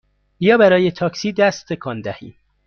بیا برای تاکسی دست تکان دهیم!